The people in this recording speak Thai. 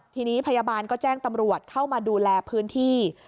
ทีนี้พยาบาลก็แจ้งตำรวจเข้ามาดูแลพื้นที่